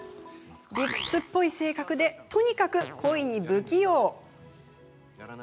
理屈っぽい性格でとにかく恋に不器用。